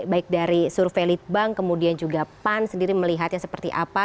baik dari survei litbang kemudian juga pan sendiri melihatnya seperti apa